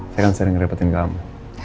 saya kan sering ngeripetin kamu